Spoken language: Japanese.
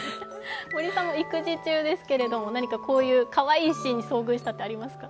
森さんも育児中ですけど、こういうかわいいシーンに遭遇したことはありますか？